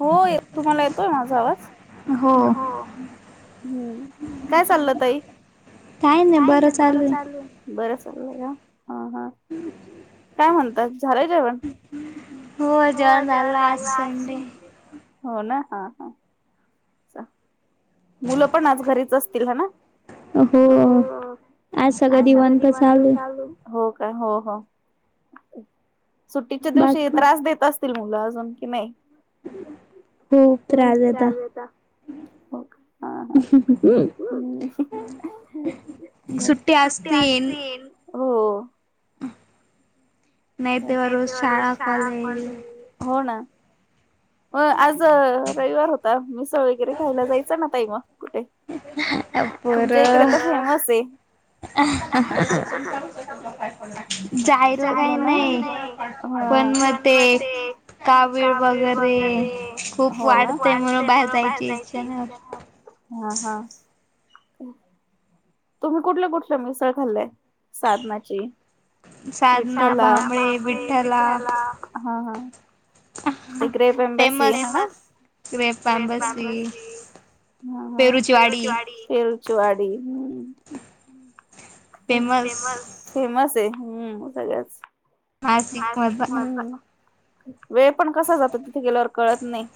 हो तुम्हाला येतोय माझा आवाज. हो हम्म काय चाललं ताई? काही नाही बरं चालू. बरं चाललंय का? हम्. काय म्हणतात झालंय जेवण? हो जेवण झालं आज संडे. हो ना हा ह मुलं पण आज घरीच असतील ह ना? हो आज सगळ निवांत चालू हो. हो हो सुट्टीच्या दिवशी त्रास देत अस मुलं अजून की नाही. खूप त्रास देतात. हम्. सुट्टी असतील हो. नाही तेवर रोज शाळा कॉलेज हो ना. अ आज रविवार होता. वगैरे खायला जायचं ना तई मग कुठे तुमच्या इकडे तर फेमस ये. जायला नाही. नाही ह पण मग ते कावीळ वगैरे हो ना वाढतय म्हणून बाहेर जायची इच्छा नाही होत. हा हा. तुम्ही कुठलं कुठल्या मिसळ खाल्लंय साधनाची विठ्ठला साधना भांबवे विठ्ठला हा हा ते ग्रेप एंबसीम फेमस क्रेपॅम्बसी हा हा पेरुचीवाडी, पेरुचीवाडी हम्म फेमस, फेमस आहे हम्म सगळ्याच नासिक मधला हम्म वेळ पण कसा जातो तिथे गेल्यावर कळत नाही.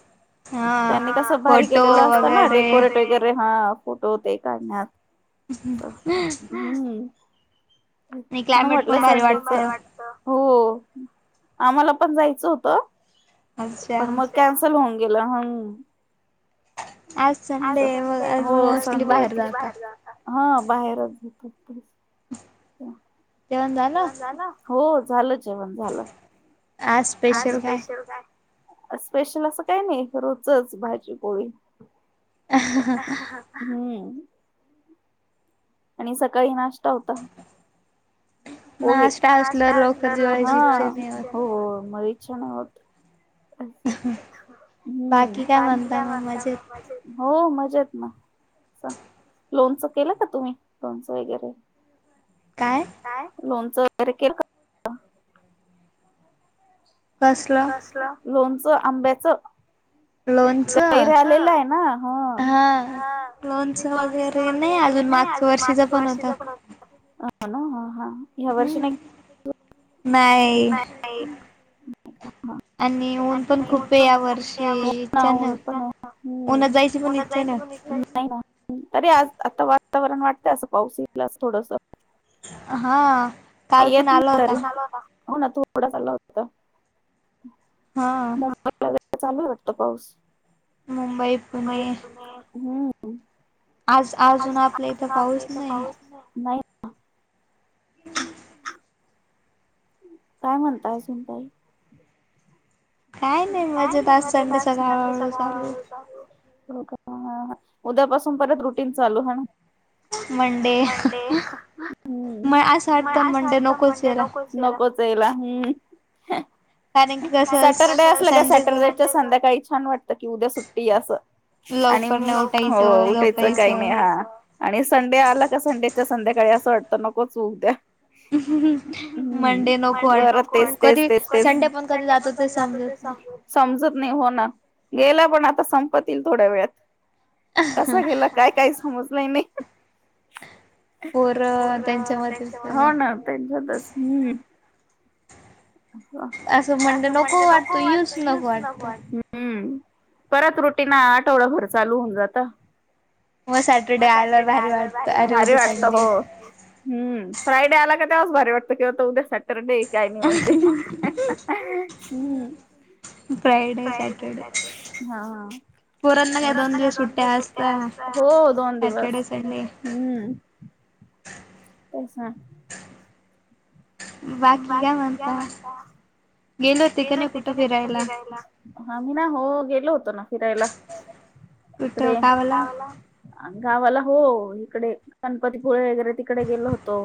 त्यांनी कसं भारी केलेलं असतं ना डेकोरेट वगैरे हा फोटो ते काढण्यात [inaudible] हम् म्हनून म्हटलं संडेच आहे. फिरायला पण भारी वाटतं. हो आम्हाला पण जायचं होतं पण मग कॅन्सल होऊन गेल हम्म आज संडे मग आज मोस्टली बाहेर जाता हा बाहेरच जात. जेवण झालं? हो झालं जेवण झालं. आज स्पेशल काय? स्पेशल असं काही नाही. रोजचच भाजी पोळी. हम्म आणि सकाळी नाश्ता होता. पोहे. नाष्टा असल्यावर लवकर जेवायची इच्छा नाही होत. हां हम्म बाकी काय म्हणता म मजेत? हो मजेत. लोणच केलं का तुम्ही? लोणच वगैरे काय? लोणच वगैरे केलं का म्हटलं? कसलं? लोणचं, आंब्याचं गहीर आलेला आहे ना. हम्म लोणच वगैरे नाही अजून. मागच्या वर्षीचा पण हा ना हा हा हम्म नाही. आणि ऊन पण खूप आहे या वर्षी इच्छा नाहि होत. ऊनात जायची पण इच्छा नाय- इच्छा नाही होत तरी आज आता वातावरण वाटत असं पाऊस येईल अस थोडस हा काल पण आला होता. हो ना थोडाच आला होता. हा. चालू आहे वाटत पाऊस? मुंबई, पुणे हम्म. आज अजून आपल्या इथं पाऊस नाही. [inaudible] काय म्हणताय सुनबाई? काय नाही मजेत आज संडे सगळ हळूहळू चालू आहे. हो का? हा हा उद्यापासून परत रुटीन चालू ह ना [inaudible] मंडे म असं वाटतं मंडे नकोच यायला. तेला हम्म कारण की कस? सॅटरडेटच्या संध्याकाळी छान वाटतं की उद्या सुट्टीये असं. आणि हो उठायचं काही नाही हा आणि संडे आला का संडेच्या संध्याकाळी असं वाट- नकोचं हो द्या म ते तेच तेच ते. संडे पण कधी जातो ते- समजत नाही. समजतं नाही हो ना गेला पण आता संपत येईलं थोड्या वेळात. कसा गेला काय काही समजलंहि नाही. पोर त्यांच्या- हो ना त्यांच्यात [unintelligible] असं म्हणज नको वाटतो. येऊच नको वाट- परत रुटीन आठवडाभर चालू होऊन जात. हो सॅटरडे आला की भारी वाटत. भारी वाटत, हो हम्म. फ्रायडे आला का- जाम भारी वाटत की उद्या सॅटरडेये. काय नाही म्हणजे. Friday, Saturday. हां. पोरांना काय दोन दिवस सुट्टया असत हो दोन दिवस हम्म तेसां बाकी काय म्हणता गेलो होती का नाही कुठं फिराहायला ह मी ना हो गेलो होतो फिरायला इकडे गावाला हो इकडे गणपतीपुळे वगैरे तिकडे गेलो होतो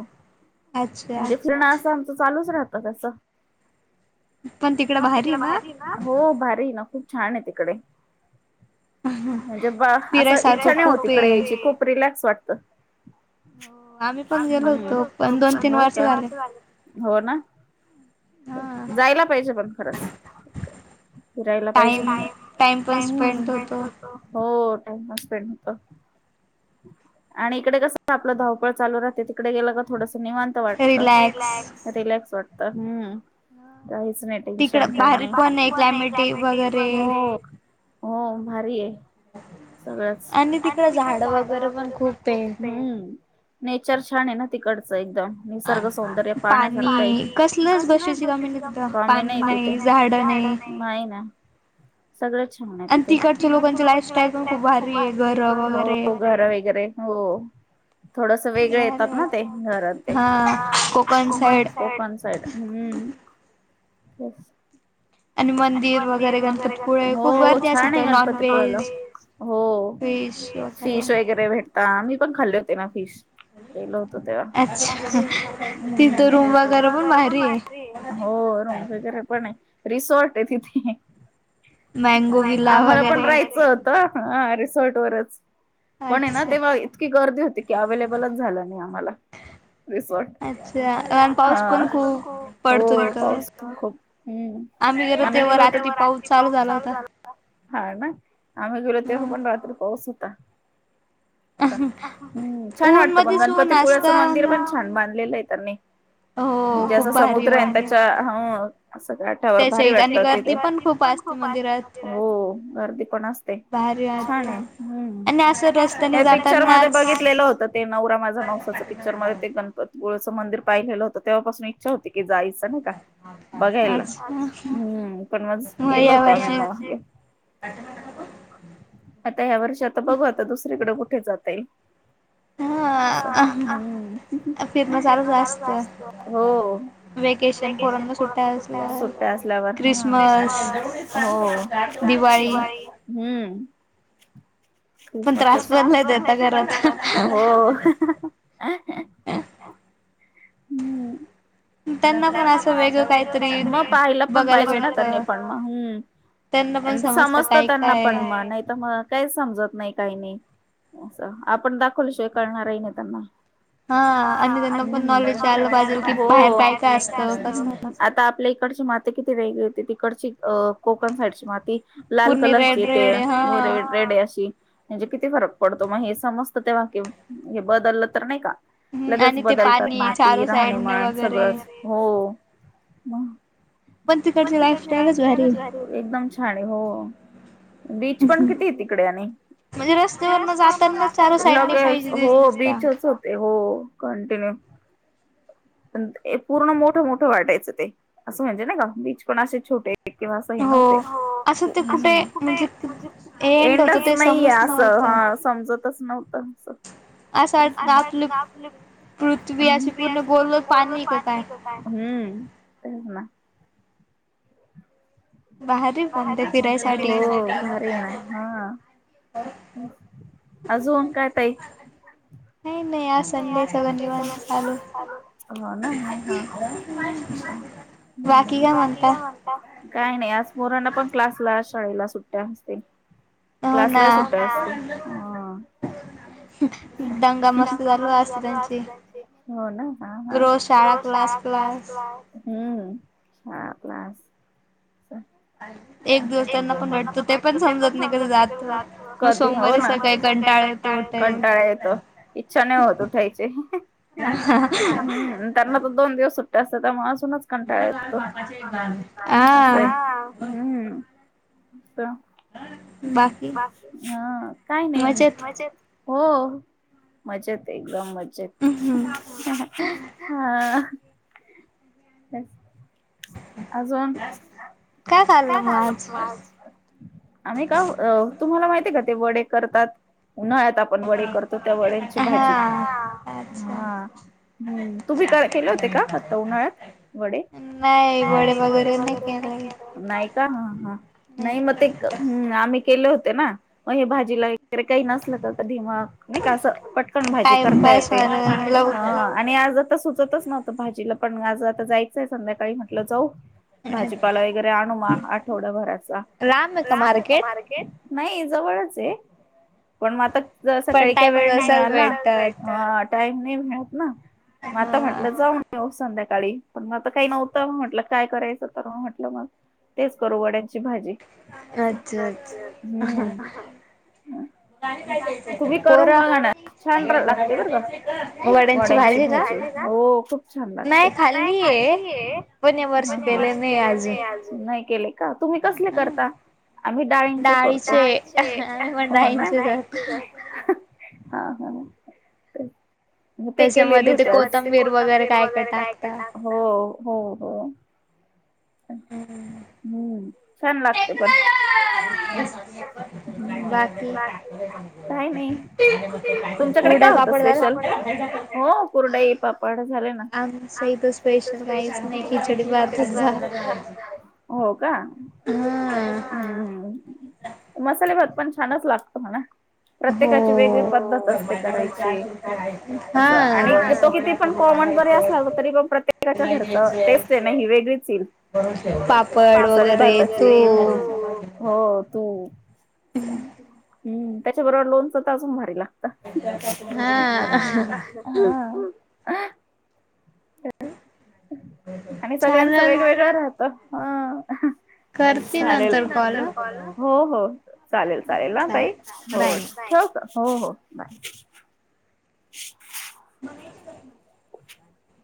म्हणजे फिरणं असतय चालूच राहतस तसं पण तिकड भारी ही न हो भारी हे ना खूप छान आहे तिकडे म्हणजे असं इच्छा नाही होती इकडे यायची खूप रिलॅक्स वाटत आम्ही पण गेलो होतो होका हो ना जायला पाहिजे पण खरच फिरायला पाहिजे टाइम टाइम नसतोय तसं हो टाइम स्पेंड होत आणि इकडे कस आपलं धावपळ चालू राहते तिकडे गेलं का थोडस निवांत वाटत रिलॅक्स वाटत हम काहीच नाही टेन्शन का नाहीारी पण आहे क्लॅमेटी वगैरे हो भारी आहे सगळंच आणि तिकडं झाड वगैरे पण खूप नेचर छान आहे ना तिकडचं एक निसर्ग सौंदर्य पाण्यासारख कस गी कमी नाही तिथे झाड नाही आहे ना सगळंच छान आहे तिकड लोकांची लाईफ तिकडे यूप भारी हो घर वगैरे हो थोडस वेगळ येतात ना ते घरात ते कोकण कोकण साईड हम् ब आणि मंदिर वगैरे गणपती हो छान आहे गणपतीपुळाला हो फिश वगैरे भेटता मी पण खाल्ले होते ना फिश गेलो होतो तेव्हा अच्छा तिथ रूम वगैरे पण मा हो गर पणे रिसॉर्ट आहे तिथे आम्हाला पण राहायचं होत रिसॉर्ट वरच पण हे ना तेव्हा इतकी गर्दी होती की अवेलेबलच झालं नाही आम्हाला रिसॉर्ट हा हो पाऊस खूप पडतो आम्ही आम्ही गेलो तेव्हा रात्री पाऊस चालू झाला हा ना आम्ही गेलो तेव्हा पण रात्री होसता हम् छान वाटतं पण. गणपतीपुळचं मंदिर पण छान बांधलेलं आहे त्यांनी. ज्याचा समुद्र आहे. त्याच्या अ स आठ्यावर भारी वाटत. प हो गर्दी पण खुप असते मंदिरात. हो गर्दी पण असते. छान आहे. हे पिक्चर मध्ये बघितलेलं होतं. ते नवरा माझा नवसाच पिक्चर मध्ये ते गणपती गुळचं मंदिर पाहिलेलं होत. तेव्हापासून इच्छा होती की जायचं नाही का बघायला. हम्म पण म गेलो होत आ आता ह्या वर्षी आता बघू आता दुसरीकडे कुठे जात येईल. ह. मेम चालू जास्त हो. वेकेशन पोरांना सुट्ट अस सु्ट अस ल्या ख्रिसमस हो दिवाळी ह् ख्रिसमस त्रास बय आ घरात हो. हम्म. त्यांना पण असं वेगंळे काही तरी, पाहाला पण पाहिजे ना त्यांनी पण, हम्म. आणि समजत त्यांना पण म नाही तर मग काहीच समजत नाही, काही नाही. असं आपण दाखवल्याशिवाय कळणारही नाही त्यांना. हा आणि त्यांना पण नॉलेज द्यायला पाहिजे ना बाहेर, हो. काय काय असतं. आता आपल्या इकडचे मात की किती वेगळी होती, तिकडची अ कोकण साईडची माती लाल कलरची येते हो रेड अशी. म्हणजे किती फरक पडतो, म हे समजतं ते किंवा हे बदललं तर नाही का? लगेच बदलतात. माती राहणी म्हण सगळंच हो. पण तिकडचे लाईफ त्यानच भारी, एकदम छान आहे हो. बीच पण किती तिकडे आणि म्हणजे रस्त्यावरन जातना, लगेच हो बीचच होते हो कंटिन्यू. पण पूर्ण मोठं मोठं वाटायचं ते, असं म्हणजे ना का बीच पण असे छोटे किंवा अस हे नव्हते, अस ते कुठे, एंडच नाहीये असं. हा समजतच नव्हत अस. असं वाटत आपले [unintelligible] बोल हम्म ना. भारी पण ती फिरायसाठी, हो भारी आहे ना, हा. अजून काय ताई? [unintelligible] काय नाही आज संडे [unintelligible] दिवस चालू, हो ना? हं हं. ह् बाकी काय म्हणता? काही नाही आज पोरांना पण क्लासला शाळेला सुट्ट्या असते. क्लास ला सुट्टी असते, हो ना, हो. दंगमस्ती चालू असते त्यांची, हो ना, रोज शाळेत शाळा क्लास क्लास, हं शाळा क्लास एक दिवस त्यांना पण भटतो, ते पण समजत नाही कधी जातो, हो ना, सोमवारी सकाळी कंटाळ कंटाळा येतो इच्छा नाही होत उठायची. त्यांना तर दोन दिवस सुट्ट्या असत्या त्यामुळे आज आतूनच कंटाळ येतो, अस, हा, हम्म. बाकी ह काय नाही मजेत. हो मजेत एकदम मज्ज मजेत, हा. अजून. काय खाल्लं म आज? आम्ही का? तुम्हाला माहिती आहे का ते वडे? करतात उन्हाळ्यात आपण वडे करतो, त्या वड्यांची भाजी हा. हम्म तू् का केले होते का आता उन्हाळ्यात वडे. नाही वडे वगरे नाही केलो, नाही का ह ह नाही म ते आम्ही केल हो तेना म हे भाजीला वगैरे काही नसल [unintelligible] कधी मग नाही का असं पटकन भाजी करता येते आणि आज आता सुचतच नव्हतं भाजीला पण आता जायचं आहे संध्याकाळी म्हटलं जाऊ. भाजीपाला वगैरे आणू मा आठवडाभराचा, लांब आहे का मार्केट? नाही जवळच आहे पण म आता जर सकाळी काही वेळ नाही मिळाला टाईम नाही मिळत ना. मग आता म्हटलं जाऊन येऊ संध्याकाळी. पण मग आता काही नव्हतं म्हटलं काय करायचं तर म म्हटलं मग तेच करू वड्या ची भाजी, हम्म. तुम्ही करून बघ ना छान लागते बरं का वड्यांची भाजी. [unintelligible] हो खूप छान लागते. अल्लीय, पण म्ह वर्ष केले नाही आजून नाही केले का तुम्ही कसले करता [unintelligible] आम्ही डाळींचे करतो. डाळीचे हो ना डाळींचे जास्त. हा, ह, ते केलेले होते. त्याच्यामध्ये ते कोतंबीर, वगैरे काय कर हो, हो हम्म छान लागते पण. बाकी काय नाही. तुमच्याकडे काय होत स्पेशल? हो कुर्डाई पापड झाले ना. आमच्या इथं स्पेशल काहीच नाही, खिचडी भात चांगला. हो का? हम्म मसाले भात पण छानच लागतो. हाणा प्रत्येकाची वेगळी पद्धत असते करायची, अस आणि तो किती पण कॉमन जरी असलं तरी, पण प्रत्येकाच्या घरचं टेस्ट हे ना ही. वेगळीच येईल ह सारे भारताचे हो तू [unintelligible] हम्म, त्याच्याबरोबर लोनच तर अजून भारी लागत. हा, हा आणि सगळ्यांच वेगवेगळं राहत ह चालेल, हो हो चालेल, चालेल, ना तई हो ठेवू का? हो, हो, बाय.